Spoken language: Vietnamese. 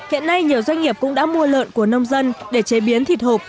hiện nay nhiều doanh nghiệp cũng đã mua lợn của nông dân để chế biến thịt hộp